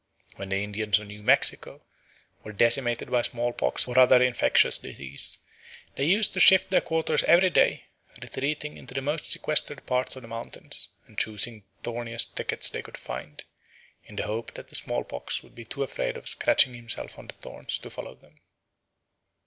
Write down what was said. When the Indians of New Mexico were decimated by smallpox or other infectious disease, they used to shift their quarters every day, retreating into the most sequestered parts of the mountains and choosing the thorniest thickets they could find, in the hope that the smallpox would be too afraid of scratching himself on the thorns to follow them.